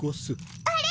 あれ！